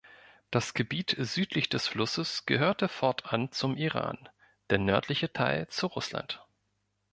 Das Gebiet südlich des Flusses gehörte fortan zum Iran, der nördliche Teil zu Russland.